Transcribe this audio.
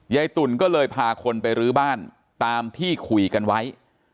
ตุ๋นก็เลยพาคนไปรื้อบ้านตามที่คุยกันไว้